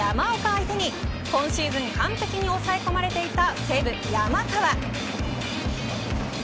相手に今シーズン、完璧に抑え込まれていた西武、山川。